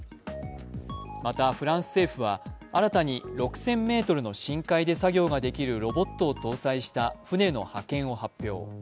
またフランス政府は新たに６０００ｍの深海で作業ができるロボットを搭載した船の派遣を発表。